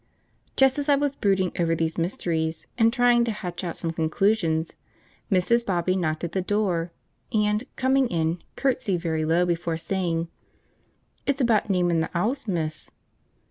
Just as I was brooding over these mysteries and trying to hatch out some conclusions, Mrs. Bobby knocked at the door, and, coming in, curtsied very low before saying, "It's about namin' the 'ouse, miss."